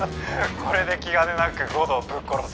これで気兼ねなく護道をぶっ殺せる